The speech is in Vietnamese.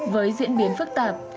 với diễn biến phức tạp